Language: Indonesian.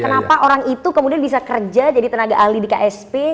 kenapa orang itu kemudian bisa kerja jadi tenaga ahli di ksp